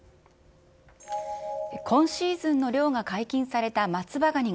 今シーズンの漁が解禁された松葉がに